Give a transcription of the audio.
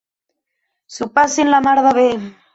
S'ho passin la mar de bé.